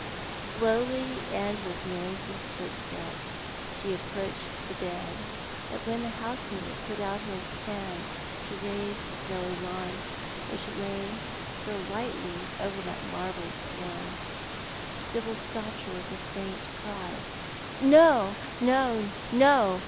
Slowly, and with noiseless footsteps, she approached the bed, but when the housemaid put out her hand to raise the snowy lawn which lay so lightly over that marble form, Sibyl stopped her with a faint cry. "No, no, no!